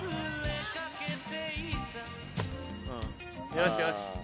よしよし。